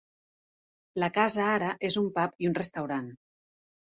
La casa ara és un pub i un restaurant.